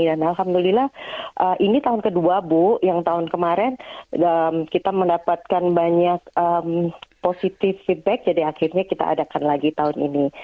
alhamdulillah ini tahun kedua bu yang tahun kemarin kita mendapatkan banyak positive feedback jadi akhirnya kita adakan lagi tahun ini